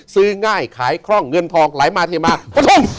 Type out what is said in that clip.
ซื้อง่ายขายคล่องเงินทองไหลมาเทมาปะทุ่ง